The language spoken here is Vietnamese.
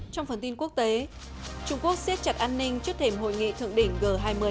trong phần tin quốc tế trung quốc siết chặt an ninh trước thềm hội nghị thượng đỉnh g hai mươi